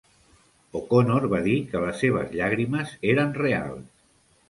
O'Connor va dir que les seves llàgrimes eren reals.